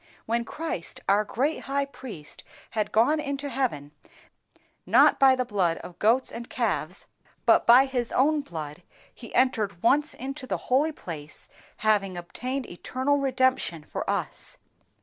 When Christ, our great High Priest, had gone into heaven, _neither by the blood, of goats and calves, but by His own blood He entered once into the holy place, having obtained eternal redemption for us.